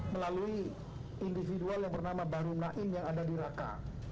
melalui individual yang bernama bahru naim yang ada di raka